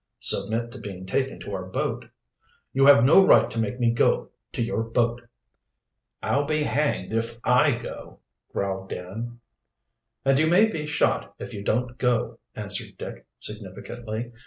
"Submit to being taken to our boat." "You have no right to make me go to your boat." "I'll be hanged if I'll go," growled Dan. "And you may be shot if you don't go," answered Dick significantly.